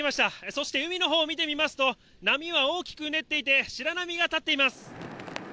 そして海のほうを見てみますと、波は大きくうねっていて、白波が立っています。